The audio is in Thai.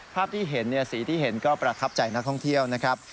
ภาพที่เห็นสีที่เห็นก็ประทับใจนักท่องเที่ยวนะครับ